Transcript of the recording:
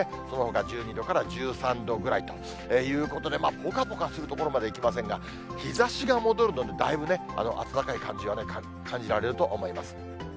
そのほか１２度から１３度ぐらいということで、ぽかぽかする所までいきませんが、日ざしが戻るとだいぶね、暖かい感じが感じられると思います。